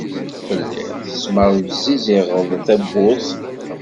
Tellid tesmerziziɣed tawwurt.